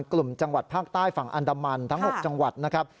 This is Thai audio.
กลุ่มจังหวัดภาคใต้ฝั่งอันดามันทั้ง๖จังหวัดนะครับ